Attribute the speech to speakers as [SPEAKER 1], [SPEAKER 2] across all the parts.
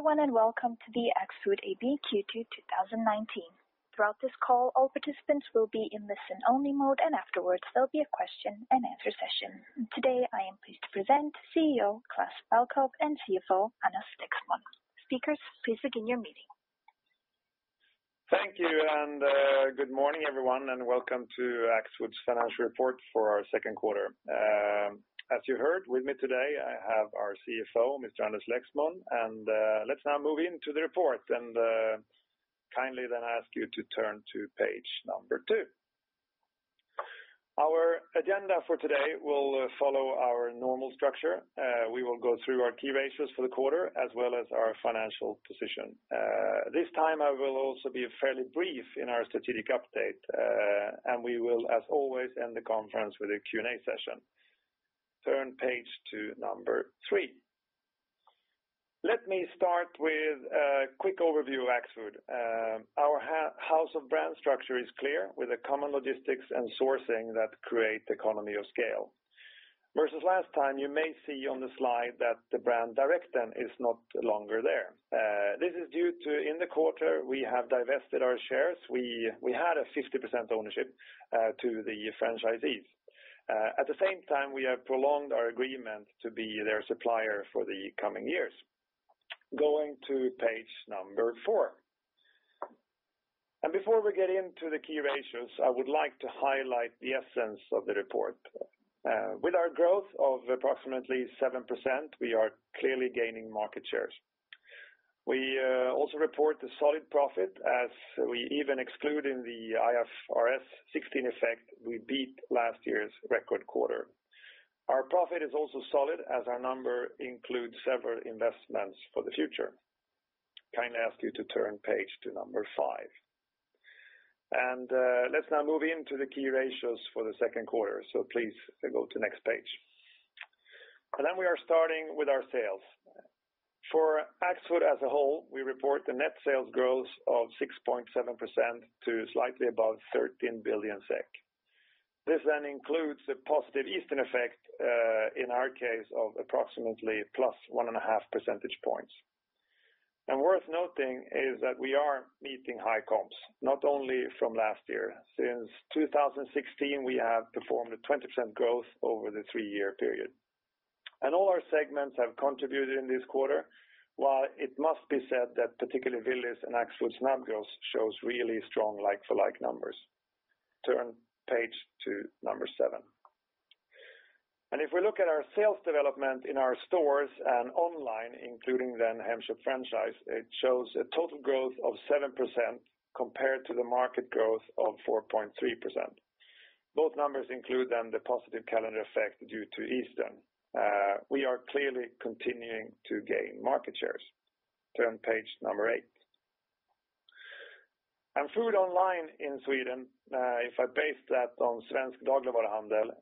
[SPEAKER 1] Hello everyone, welcome to the Axfood AB Q2 2019. Throughout this call, all participants will be in listen-only mode, and afterwards there will be a question-and-answer session. Today I am pleased to present CEO, Klas Balkow and CFO, Anders Lexmon. Speakers, please begin your meeting.
[SPEAKER 2] Thank you, good morning everyone, and welcome to Axfood's financial report for our second quarter. As you heard, with me today I have our CFO, Mr. Anders Lexmon. Let's now move into the report and kindly then ask you to turn to page number two. Our agenda for today will follow our normal structure. We will go through our key ratios for the quarter as well as our financial position. This time I will also be fairly brief in our strategic update. We will, as always, end the conference with a Q&A session. Turn page to number three. Let me start with a quick overview of Axfood. Our house of brand structure is clear with a common logistics and sourcing that create economy of scale. Versus last time, you may see on the slide that the brand Direkten is no longer there. This is due to in the quarter we have divested our shares. We had a 50% ownership to the franchisees. At the same time, we have prolonged our agreement to be their supplier for the coming years. Going to page number four. Before we get into the key ratios, I would like to highlight the essence of the report. With our growth of approximately 7%, we are clearly gaining market shares. We also report a solid profit as we even exclude in the IFRS 16 effect, we beat last year's record quarter. Our profit is also solid as our number includes several investments for the future. Kindly ask you to turn page to number five. Let's now move into the key ratios for the second quarter. Please go to next page. For Axfood as a whole, we report the net sales growth of 6.7% to slightly above 13 billion SEK. This then includes a positive Eastern effect in our case of approximately plus one and a half percentage points. Worth noting is that we are meeting high comps, not only from last year. Since 2016, we have performed a 20% growth over the three-year period. All our segments have contributed in this quarter, while it must be said that particularly Willys and Axfood Snabbgross shows really strong like-for-like numbers. Turn page to number seven. If we look at our sales development in our stores and online, including then Hemköp franchise, it shows a total growth of 7% compared to the market growth of 4.3%. Both numbers include then the positive calendar effect due to Eastern. We are clearly continuing to gain market shares. Turn page number eight. Food online in Sweden, if I base that on Svensk Dagligvaruhandel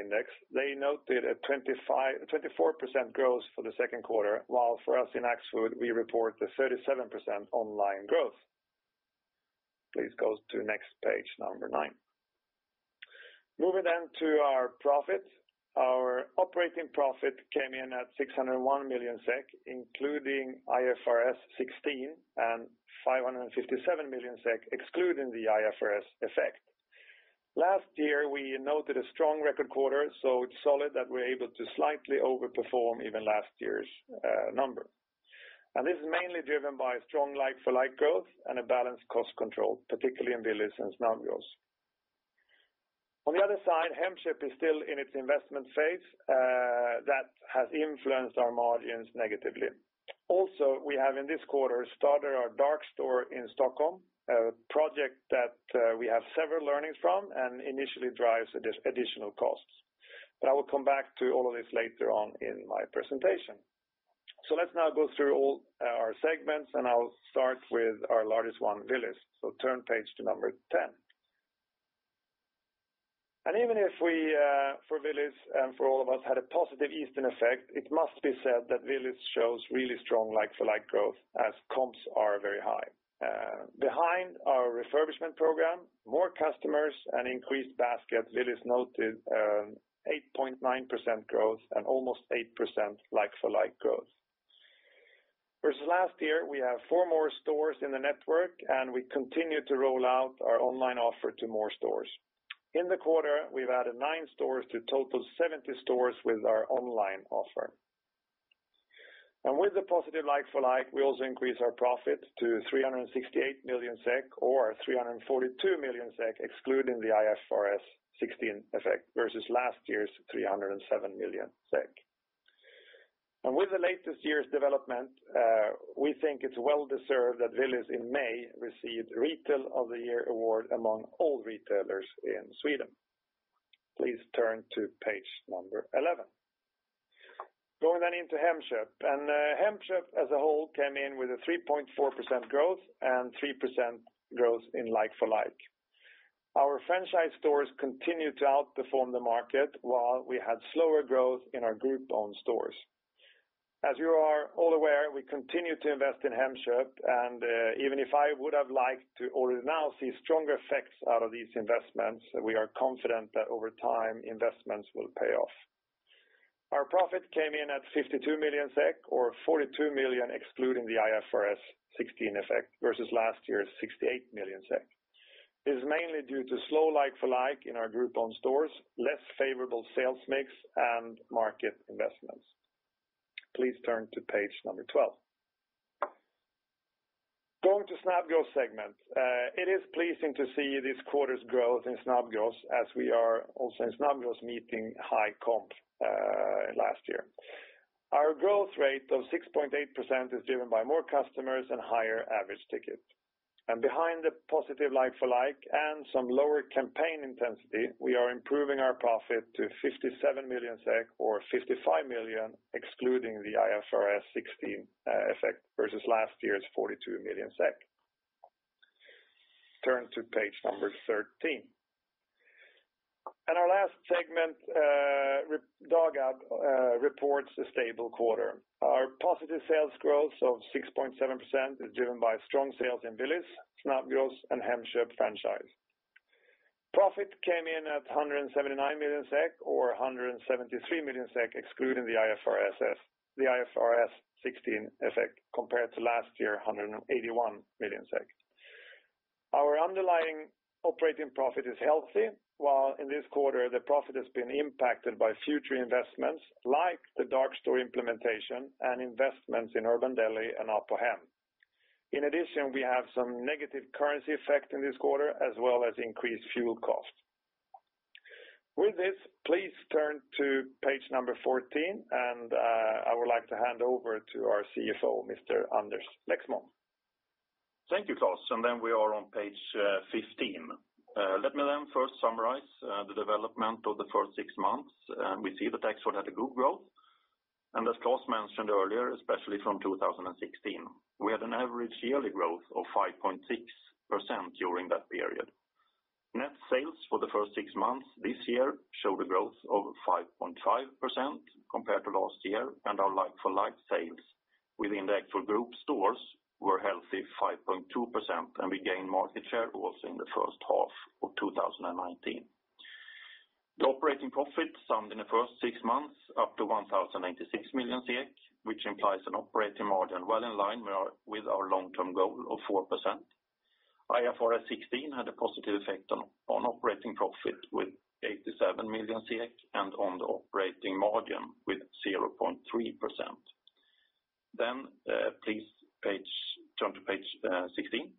[SPEAKER 2] index, they noted a 24% growth for the second quarter, while for us in Axfood, we report 37% online growth. Please go to next page number nine. Moving to our profit. Our operating profit came in at 601 million SEK, including IFRS 16, and 557 million SEK excluding the IFRS effect. Last year, we noted a strong record quarter, so solid that we're able to slightly over-perform even last year's number. This is mainly driven by strong like-for-like growth and a balanced cost control, particularly in Willys and Snabbgross. On the other side, Hemköp is still in its investment phase. That has influenced our margins negatively. Also, we have in this quarter started our dark store in Stockholm, a project that we have several learnings from and initially drives additional costs. I will come back to all of this later on in my presentation. Let's now go through all our segments, and I'll start with our largest one, Willys. Turn page to number 10. Even if we, for Willys and for all of us, had a positive Easter effect, it must be said that Willys shows really strong like-for-like growth as comps are very high. Behind our refurbishment program, more customers, and increased basket, Willys noted an 8.9% growth and almost 8% like-for-like growth. Versus last year, we have four more stores in the network, and we continue to roll out our online offer to more stores. In the quarter, we've added nine stores to total 70 stores with our online offer. With the positive like-for-like, we also increase our profit to 368 million SEK, or 342 million SEK excluding the IFRS 16 effect, versus last year's 307 million SEK. With the latest year's development, we think it's well-deserved that Willys in May received Retail of the Year award among all retailers in Sweden. Please turn to page number 11. Going into Hemköp. Hemköp as a whole came in with a 3.4% growth and 3% growth in like-for-like. Our franchise stores continued to outperform the market, while we had slower growth in our group-owned stores. As you are all aware, we continue to invest in Hemköp, and even if I would have liked to already now see stronger effects out of these investments, we are confident that over time, investments will pay off. Our profit came in at 52 million SEK or 42 million excluding the IFRS 16 effect, versus last year's 68 million SEK. This is mainly due to slow like-for-like in our group-owned stores, less favorable sales mix, and market investments. Please turn to page number 12. Going to Snabbgross segment. It is pleasing to see this quarter's growth in Snabbgross as we are also in Snabbgross meeting high comp last year. Our growth rate of 6.8% is driven by more customers and higher average ticket. Behind the positive like-for-like and some lower campaign intensity, we are improving our profit to 57 million SEK or 55 million excluding the IFRS 16 effect versus last year's 42 million SEK. Turn to page number 13. Our last segment, Dagab, reports a stable quarter. Our positive sales growth of 6.7% is driven by strong sales in Willys, Snabbgross, and Hemköp franchise. Profit came in at 179 million SEK or 173 million SEK excluding the IFRS 16 effect, compared to last year, 181 million SEK. Our underlying operating profit is healthy, while in this quarter the profit has been impacted by future investments like the dark store implementation and investments in Urban Deli and Apohem. In addition, we have some negative currency effect in this quarter, as well as increased fuel costs. With this, please turn to page number 14, and I would like to hand over to our CFO, Mr. Anders Lexmon.
[SPEAKER 3] Thank you, Klas. Then we are on page 15. Let me then first summarize the development of the first six months. We see that Axfood had a good growth, and as Klas mentioned earlier, especially from 2016. We had an average yearly growth of 5.6% during that period. Net sales for the first six months this year showed a growth of 5.5% compared to last year, and our like-for-like sales within the Axfood Group stores were healthy 5.2%, and we gained market share also in the first half of 2019. The operating profit summed in the first six months up to 1,096 million SEK, which implies an operating margin well in line with our long-term goal of 4%. IFRS 16 had a positive effect on operating profit with 87 million and on the operating margin with 0.3%. Please turn to page 16.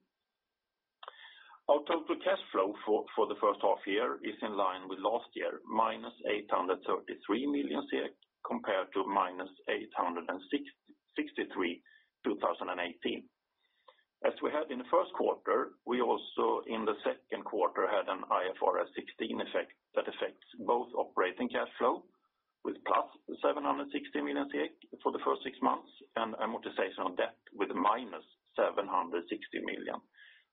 [SPEAKER 3] Our total cash flow for the first half year is in line with last year, -833 million SEK compared to -863 million, 2018. As we had in the first quarter, we also in the second quarter had an IFRS 16 effect that affects both operating cash flow with +760 million for the first six months and amortization of debt with -760 million,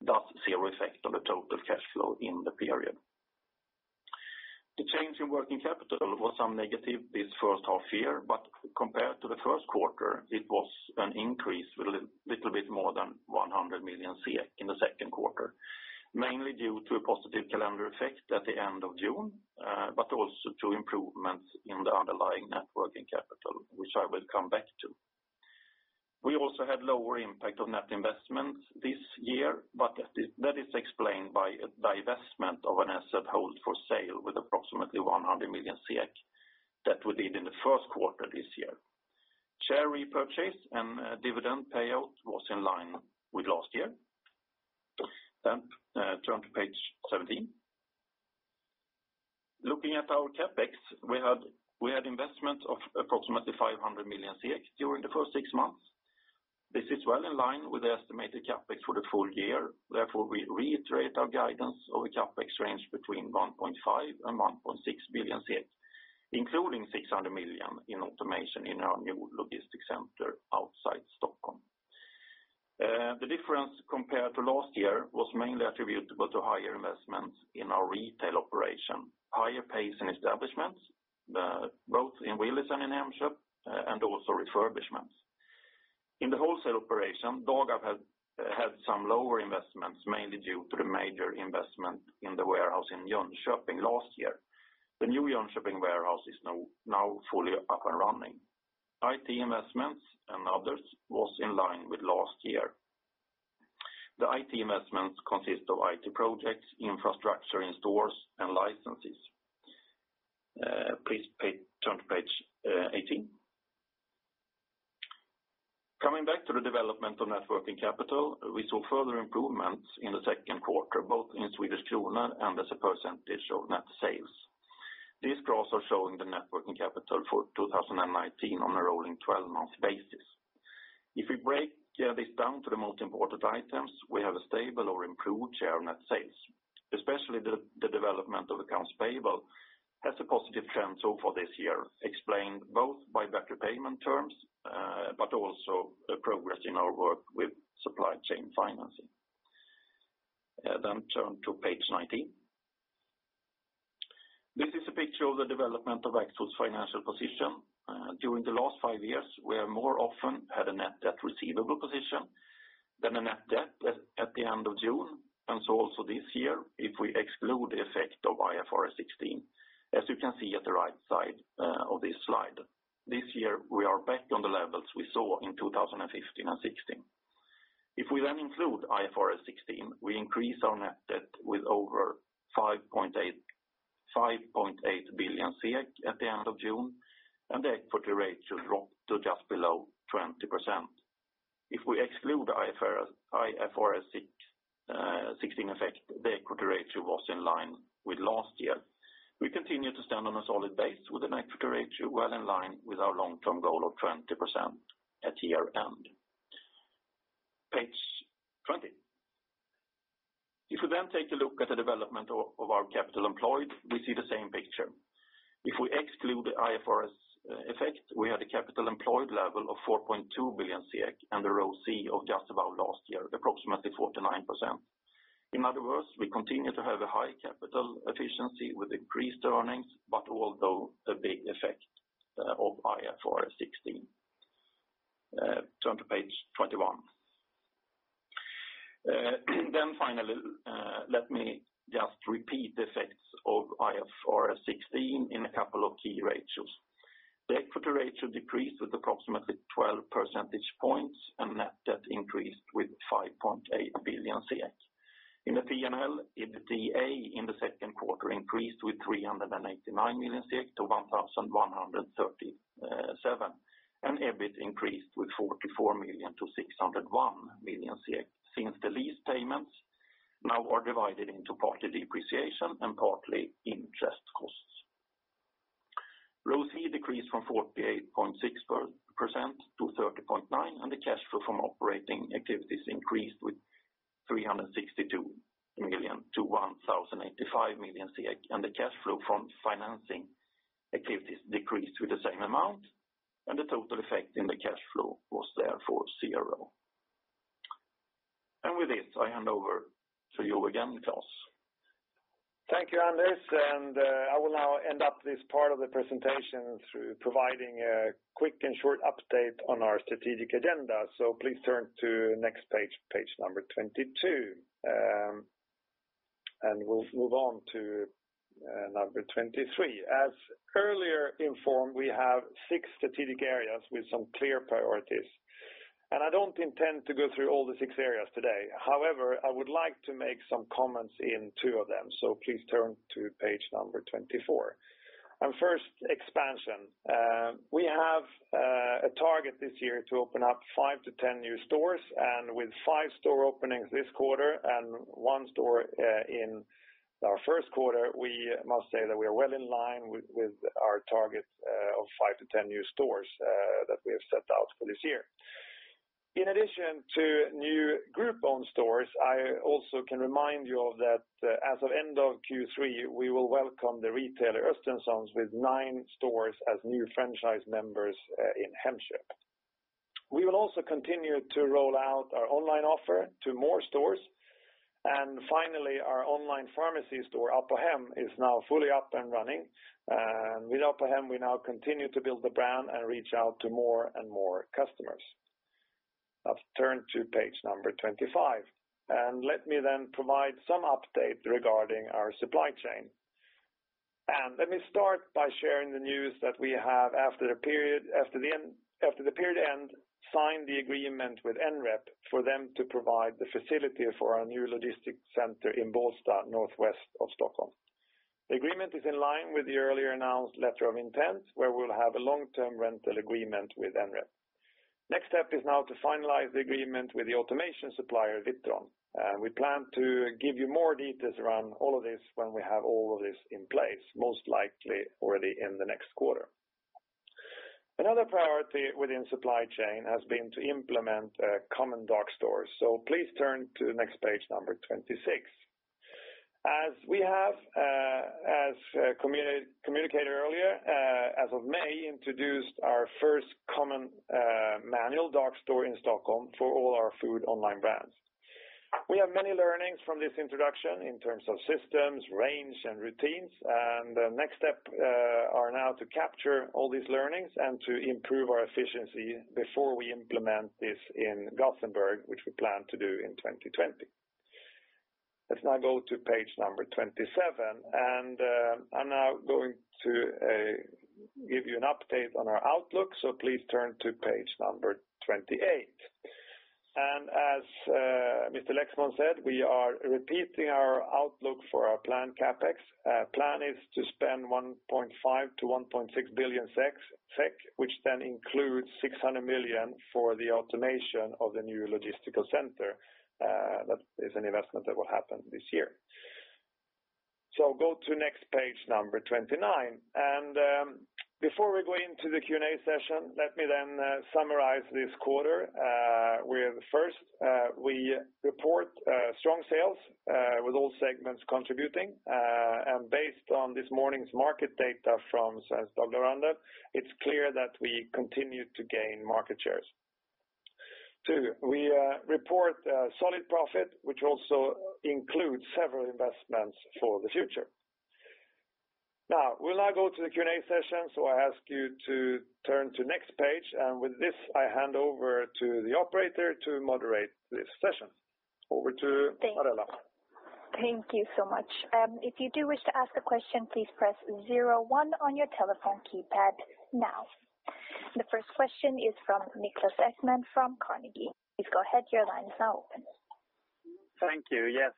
[SPEAKER 3] thus zero effect on the total cash flow in the period. The change in working capital was negative this first half year, but compared to the first quarter, it was an increase with a little bit more than 100 million SEK in the second quarter. Mainly due to a positive calendar effect at the end of June, but also to improvements in the underlying net working capital, which I will come back to. We also had lower impact on net investments this year, but that is explained by a divestment of an asset hold for sale with approximately 100 million that we did in the first quarter this year. Share repurchase and dividend payout was in line with last year. Turn to page 17. Looking at our CapEx, we had investment of approximately 500 million during the first six months. This is well in line with the estimated CapEx for the full year. Therefore, we reiterate our guidance of a CapEx range between 1.5 billion-1.6 billion, including 600 million in automation in our new logistics center outside Stockholm. The difference compared to last year was mainly attributable to higher investments in our retail operation, higher pace in establishments, both in Willys and in Hemköp, and also refurbishments. In the wholesale operation, Dagab has had some lower investments, mainly due to the major investment in the warehouse in Jönköping last year. The new Jönköping warehouse is now fully up and running. IT investments and others was in line with last year. The IT investments consist of IT projects, infrastructure in stores and licenses. Please turn to page 18. Coming back to the development of net working capital, we saw further improvements in the second quarter, both in Swedish krona and as a percentage of net sales. These graphs are showing the net working capital for 2019 on a rolling 12-month basis. If we break this down to the most important items, we have a stable or improved share of net sales. Especially the development of accounts payable has a positive trend so far this year, explained both by better payment terms, but also the progress in our work with supply chain financing. Turn to page 19. This is a picture of the development of Axfood's financial position. During the last five years, we have more often had a net debt receivable position than a net debt at the end of June, and so also this year, if we exclude the effect of IFRS 16, as you can see at the right side of this slide. This year, we are back on the levels we saw in 2015 and 2016. If we include IFRS 16, we increase our net debt with over 5.8 billion at the end of June, and the equity ratio dropped to just below 20%. If we exclude IFRS 16 effect, the equity ratio was in line with last year. We continue to stand on a solid base with an equity ratio well in line with our long-term goal of 20% at year-end. Page 20. If we take a look at the development of our capital employed, we see the same picture. If we exclude the IFRS effect, we had a capital employed level of 4.2 billion SEK and a ROCE of just about last year, approximately 49%. In other words, we continue to have a high capital efficiency with increased earnings, but although a big effect of IFRS 16. Turn to page 21. Finally, let me just repeat the effects of IFRS 16 in a couple of key ratios. The equity ratio decreased with approximately 12 percentage points and net debt increased with 5.8 billion. In the P&L, EBITDA in the second quarter increased with 389 million to 1,137 million, and EBIT increased with 44 million to 601 million since the lease payments now are divided into partly depreciation and partly interest costs. ROCE decreased from 48.6% to 30.9%, and the cash flow from operating activities increased with 362 million to 1,085 million, and the cash flow from financing activities decreased with the same amount, and the total effect in the cash flow was therefore zero. With this, I hand over to you again, Klas.
[SPEAKER 2] Thank you, Anders. I will now end up this part of the presentation through providing a quick and short update on our strategic agenda. Please turn to next page number 22. We'll move on to number 23. As earlier informed, we have six strategic areas with some clear priorities. I don't intend to go through all the six areas today. However, I would like to make some comments in two of them. Please turn to page number 24. First, expansion. We have a target this year to open up five to 10 new stores, and with five store openings this quarter and one store in our first quarter, we must say that we are well in line with our target of five to 10 new stores that we have set out for this year. In addition to new group-owned stores, I also can remind you all that as of end of Q3, we will welcome the retailer Östenssons with nine stores as new franchise members in Hemköp. We will also continue to roll out our online offer to more stores. Finally, our online pharmacy store, Apohem, is now fully up and running. With Apohem, we now continue to build the brand and reach out to more and more customers. Let's turn to page number 25. Let me then provide some update regarding our supply chain. Let me start by sharing the news that we have after the period end, signed the agreement with NREP for them to provide the facility for our new logistic center in Bålsta, northwest of Stockholm. The agreement is in line with the earlier announced letter of intent, where we'll have a long-term rental agreement with NREP. Next step is now to finalize the agreement with the automation supplier, Witron. We plan to give you more details around all of this when we have all of this in place, most likely already in the next quarter. Another priority within supply chain has been to implement common dark stores. Please turn to next page number 26. As we have communicated earlier, as of May, introduced our first common manual dark store in Stockholm for all our food online brands. We have many learnings from this introduction in terms of systems, range, and routines. The next step are now to capture all these learnings and to improve our efficiency before we implement this in Gothenburg, which we plan to do in 2020. Let's now go to page number 27. I'm now going to give you an update on our outlook. Please turn to page number 28. As Mr. Lexmon said, we are repeating our outlook for our planned CapEx. Plan is to spend 1.5 billion-1.6 billion SEK, which then includes 600 million for the automation of the new logistical center. That is an investment that will happen this year. Go to next page number 29. Before we go into the Q&A session, let me then summarize this quarter, where First, we report strong sales with all segments contributing. Based on this morning's market data from Dagligvaruhandel, it's clear that we continue to gain market shares. Two, we report solid profit, which also includes several investments for the future. We'll now go to the Q&A session. I ask you to turn to next page. With this, I hand over to the operator to moderate this session. Over to Marella.
[SPEAKER 1] Thank you so much. If you do wish to ask a question, please press zero one on your telephone keypad now. The first question is from Niklas Ekman from Carnegie. Please go ahead, your line is now open.
[SPEAKER 4] Thank you. Yes.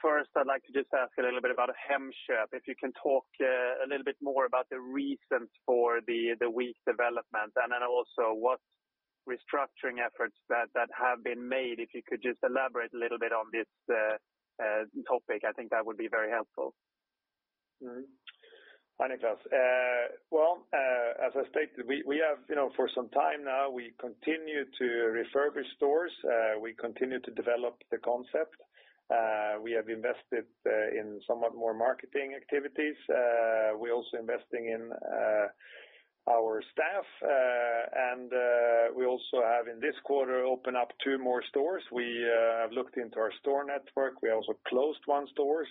[SPEAKER 4] First, I'd like to just ask a little bit about Hemköp. If you can talk a little bit more about the reasons for the weak development, and then also what restructuring efforts that have been made. If you could just elaborate a little bit on this topic, I think that would be very helpful.
[SPEAKER 2] Hi, Niklas. Well, as I stated, for some time now, we continue to refurbish stores. We continue to develop the concept. We have invested in somewhat more marketing activities. We're also investing in our staff. We also have, in this quarter, opened up two more stores. We have looked into our store network. We also closed one store.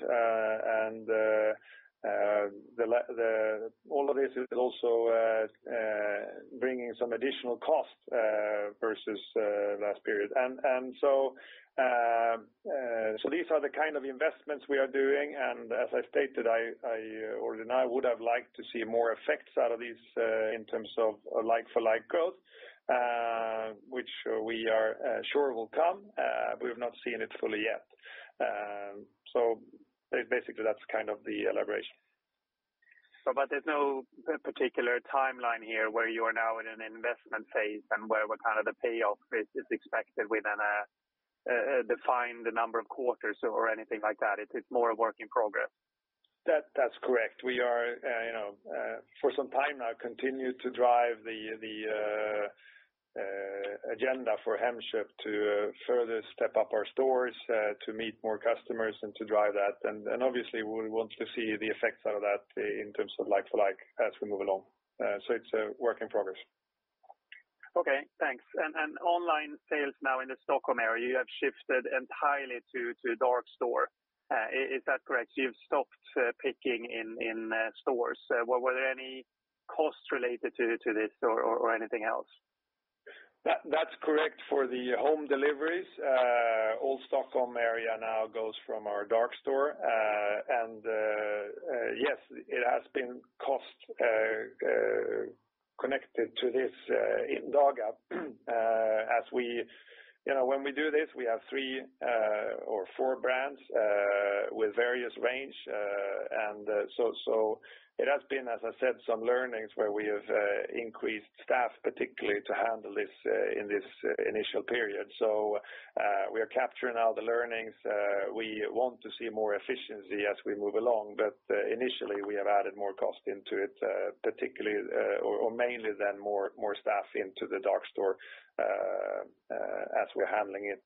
[SPEAKER 2] All of this is also bringing some additional costs versus last period. These are the kind of investments we are doing, and as I stated, or denied, I would have liked to see more effects out of these in terms of like-for-like growth, which we are sure will come. We have not seen it fully yet. Basically, that's the elaboration.
[SPEAKER 4] there's no particular timeline here where you are now in an investment phase and where the payoff is expected within a defined number of quarters or anything like that? It's more a work in progress.
[SPEAKER 2] That's correct. We are, for some time now, continued to drive the agenda for Hemköp to further step up our stores, to meet more customers and to drive that. Obviously, we want to see the effects out of that in terms of like-for-like, as we move along. It's a work in progress.
[SPEAKER 4] Okay, thanks. Online sales now in the Stockholm area, you have shifted entirely to dark store. Is that correct? You've stopped picking in stores. Were there any costs related to this or anything else?
[SPEAKER 2] That's correct for the home deliveries. All Stockholm area now goes from our dark store. Yes, it has been cost connected to this in Dagab. When we do this, we have three or four brands with various range. It has been, as I said, some learnings where we have increased staff particularly to handle this in this initial period. We are capturing all the learnings. We want to see more efficiency as we move along, but initially, we have added more cost into it, particularly or mainly then more staff into the dark store as we're handling it.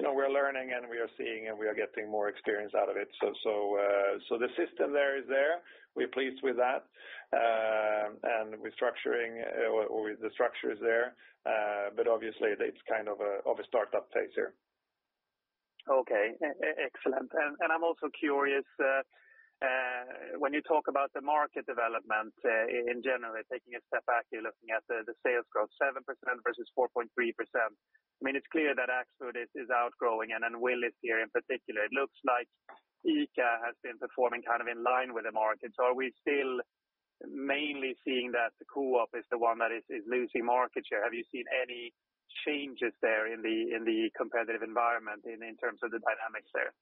[SPEAKER 2] We're learning and we are getting more experience out of it. The system there is there. We're pleased with that. The structure is there, but obviously it's a startup phase here.
[SPEAKER 4] Okay wxlalelrnt. I'm also curious, when you talk about the market development in general, taking a step back here, looking at the sales growth, 7% versus 4.3%. It's clear that Axfood is outgrowing and then Willys here in particular. It looks like ICA has been performing in line with the market. Are we still mainly seeing that the Coop is the one that is losing market share? Have you seen any changes there in the competitive environment in terms of the dynamics there?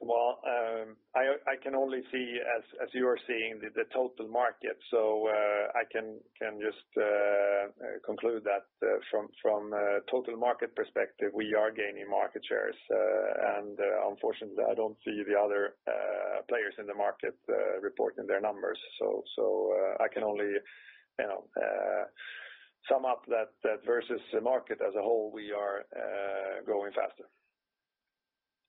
[SPEAKER 2] Well, I can only see as you are seeing the total market. I can just conclude that from a total market perspective, we are gaining market shares. Unfortunately, I don't see the other players in the market reporting their numbers. I can only sum up that versus the market as a whole, we are growing faster.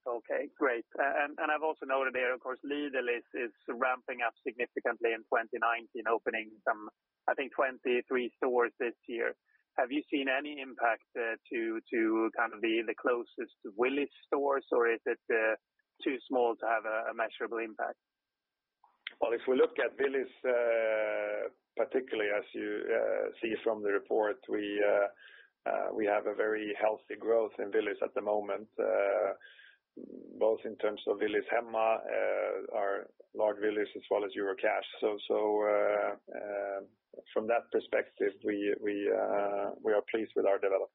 [SPEAKER 4] Okay, great. I've also noted here, of course, Lidl is ramping up significantly in 2019, opening some, I think, 23 stores this year. Have you seen any impact to the closest Willys stores or is it too small to have a measurable impact?
[SPEAKER 2] Well, if we look at Willys, particularly as you see from the report, we have a very healthy growth in Willys at the moment, both in terms of Willys Hemma, our large Willys as well as Eurocash. From that perspective, we are pleased with our development.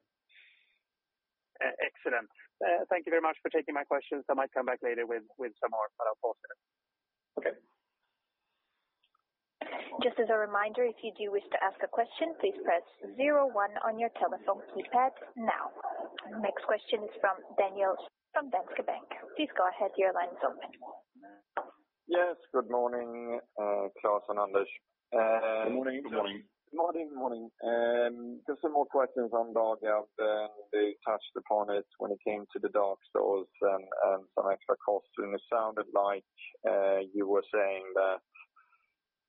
[SPEAKER 4] Excellent. Thank you very much for taking my questions. I might come back later with some more, but I'll pause there.
[SPEAKER 2] Okay.
[SPEAKER 1] Just as a reminder, if you do wish to ask a question, please press zero one on your telephone keypad now. Next question is from Daniel from Danske Bank. Please go ahead, your line is open.
[SPEAKER 5] Yes. Good morning, Klas and Anders.
[SPEAKER 2] Good morning.
[SPEAKER 3] Good morning.
[SPEAKER 5] Good morning. Just some more questions on Dagab. They touched upon it when it came to the dark stores and some extra costs. It sounded like you were saying that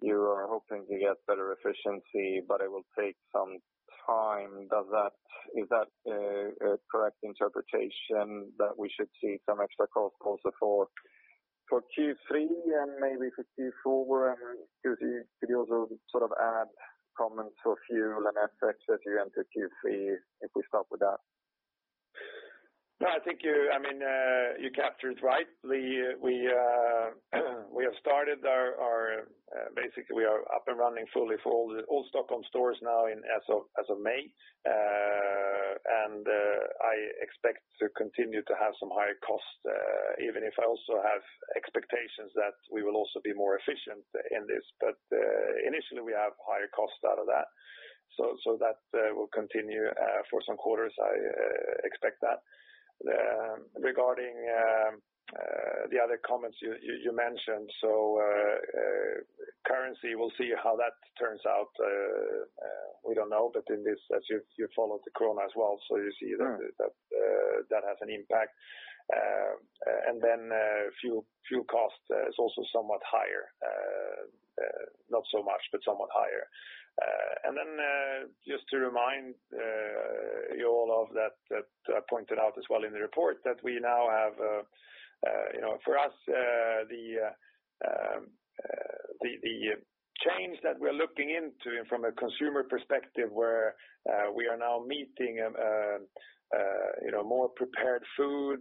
[SPEAKER 5] you are hoping to get better efficiency, but it will take some time. Is that a correct interpretation that we should see some extra costs also for Q3 and maybe for Q4? Could you also add comments for fuel and aspects as you enter Q3? If we start with that.
[SPEAKER 2] No, I think you captured it right. Basically we are up and running fully for all Stockholm stores now as of May. I expect to continue to have some higher costs, even if I also have expectations that we will also be more efficient in this. Initially, we have higher costs out of that. That will continue for some quarters, I expect that. Regarding the other comments you mentioned. Currency, we'll see how that turns out. We don't know. As you follow the krona as well, so you see that has an impact. Fuel cost is also somewhat higher. Not so much, but somewhat higher. Just to remind you all of that I pointed out as well in the report that for us, the change that we are looking into and from a consumer perspective where we are now meeting more prepared food,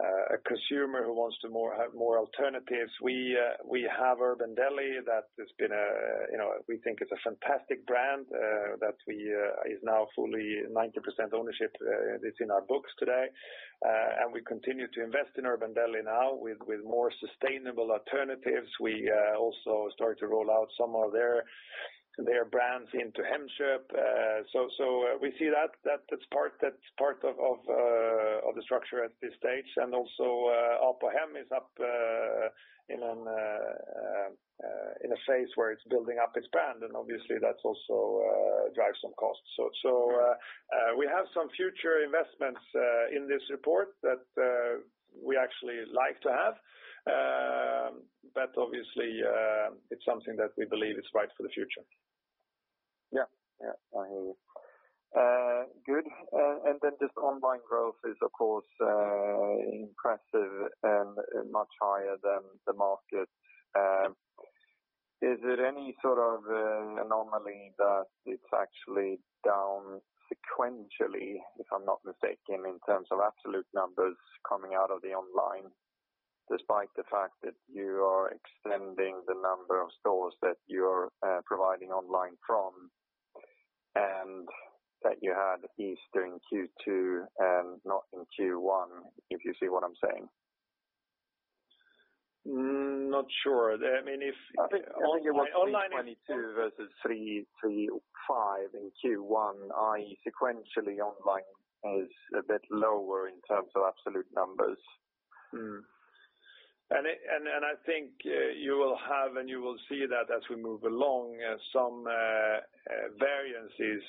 [SPEAKER 2] a consumer who wants to have more alternatives. We have Urban Deli that we think is a fantastic brand, that is now fully 90% ownership is in our books today. We continue to invest in Urban Deli now with more sustainable alternatives. We also start to roll out some of their brands into Hemköp. We see that's part of the structure at this stage. Apohem is up in a phase where it's building up its brand and obviously that also drives some costs. We have some future investments in this report that we actually like to have. Thats obviously something that we believe is right for the future.
[SPEAKER 5] Yeah. I hear you. Good. Just online growth is of course impressive and much higher than the market. Is it any sort of anomaly that it's actually down sequentially, if I'm not mistaken, in terms of absolute numbers coming out of the online, despite the fact that you are extending the number of stores that you are providing online from and that you had Easter in Q2 and not in Q1? If you see what I'm saying.
[SPEAKER 2] Not sure. I mean.
[SPEAKER 5] I think all you want is Q2 versus three to five in Q1, i.e., sequentially online is a bit lower in terms of absolute numbers.
[SPEAKER 2] I think you will see that as we move along, some variances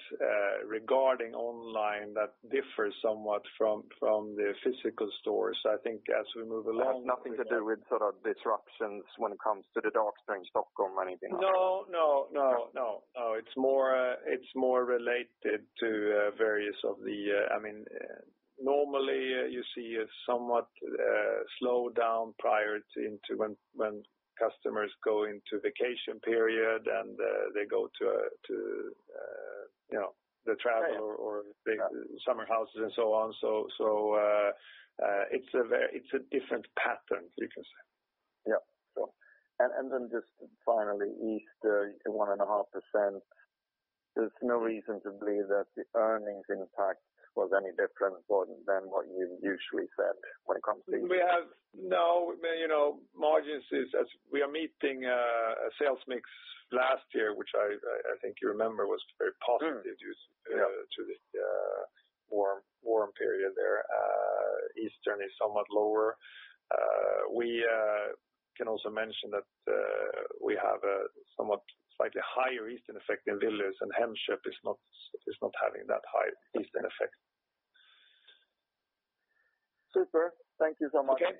[SPEAKER 2] regarding online that differ somewhat from the physical stores.
[SPEAKER 5] It has nothing to do with sort of disruptions when it comes to the dark stores in Stockholm or anything like that?
[SPEAKER 2] No. It's more related to Normally you see a somewhat slowdown prior to when customers go into vacation period and they go to travel or the summer houses and so on. It's a different pattern, you can say.
[SPEAKER 5] Yeah. Sure. Just finally, Easter is at 1.5%. There's no reason to believe that the earnings impact was any different than what you usually said.
[SPEAKER 2] We have no. Margins is as we are meeting a sales mix last year, which I think you remember was very positive due to the warm period there. Easter is somewhat lower. We can also mention that we have a somewhat slightly higher Easter effect in Willys and Hemköp is not having that high Easter effect.
[SPEAKER 5] Super. Thank you so much.
[SPEAKER 2] Okay.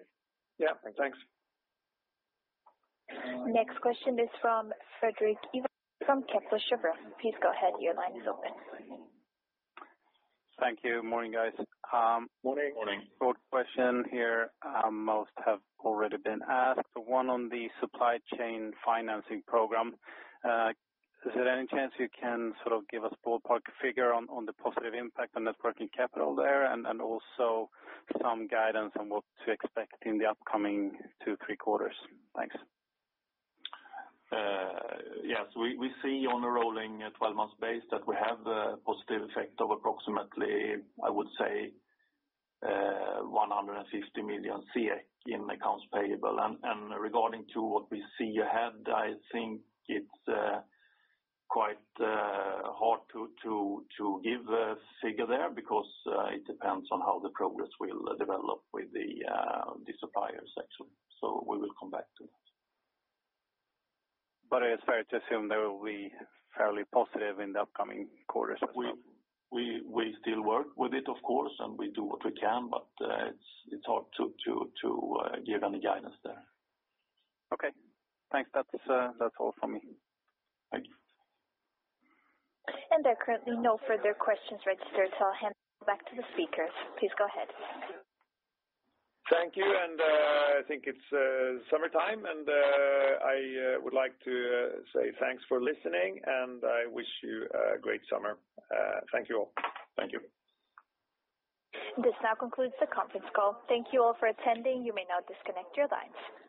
[SPEAKER 2] Yeah. Thanks.
[SPEAKER 1] Next question is from Fredrik Ivarsson from Kepler Cheuvreux. Please go ahead. Your line is open.
[SPEAKER 6] Thank you. Morning, guys.
[SPEAKER 2] Morning.
[SPEAKER 3] Morning.
[SPEAKER 6] Quick question here. Most have already been asked. One on the supply chain financing program. Is there any chance you can sort of give us ballpark figure on the positive impact on net working capital there? Also some guidance on what to expect in the upcoming two, three quarters. Thanks.
[SPEAKER 3] Yes. We see on a rolling 12 months basis that we have a positive effect of approximately, I would say, 150 million in accounts payable. Regarding to what we see ahead, I think it's quite hard to give a figure there because it depends on how the progress will develop with the supplier section. We will come back to that.
[SPEAKER 6] It's fair to assume that it will be fairly positive in the upcoming quarters as well?
[SPEAKER 3] We still work with it, of course, and we do what we can, it's hard to give any guidance there.
[SPEAKER 6] Okay. Thanks. That's all from me.
[SPEAKER 2] Thank you.
[SPEAKER 1] There are currently no further questions registered, so I'll hand it back to the speakers. Please go ahead.
[SPEAKER 2] Thank you. I think it's summertime, and I would like to say thanks for listening, and I wish you a great summer. Thank you all.
[SPEAKER 3] Thank you.
[SPEAKER 1] This now concludes the conference call. Thank you all for attending. You may now disconnect your lines.